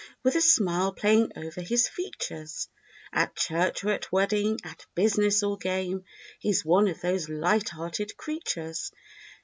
With a smile playing over his features; At church or at wedding; at business or game— He's one of those light hearted creatures.